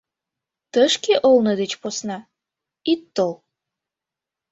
Тышке олно деч посна ит тол.